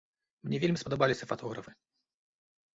Мне вельмі спадабаліся фатографы.